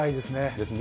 ですね。